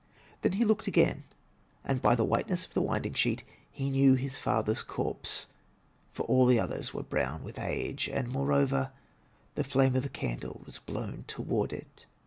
Then he looked again, and by the whiteness of the winding sheet he knew his father's corpse, for all the others were brown with age; and, moreover, the flame of the candle was blown toward it.